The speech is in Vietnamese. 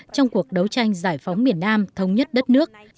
trong cuộc đấu tranh giải phóng miền nam thống nhất đất nước